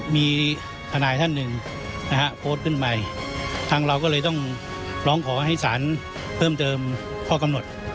มีทนายท่านหนึ่งนะฮะโพสต์ขึ้นไปทางเราก็เลยต้องร้องขอให้สารเพิ่มเติมข้อกำหนด